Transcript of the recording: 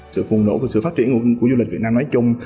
sự khuôn nổ của sự phát triển của du lịch việt nam nói chung